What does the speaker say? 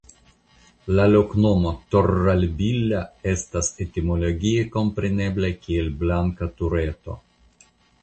La loknomo "Torralbilla" estas etimologie komprenebla kiel "Blanka Tureto".